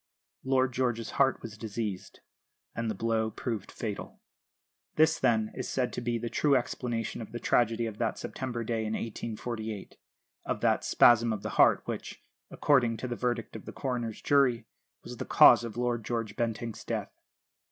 Lord George's heart was diseased, and the blow proved fatal. This, then, is said to be the true explanation of the tragedy of that September day in 1848; of that "spasm of the heart" which, according to the verdict of the coroner's jury, was the cause of Lord George Bentinck's death.